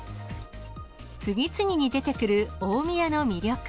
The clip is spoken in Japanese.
次々に出てくる大宮の魅力。